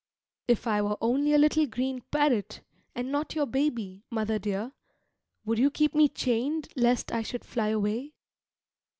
If I were only a little green parrot, and not your baby, mother dear, would you keep me chained lest I should fly away?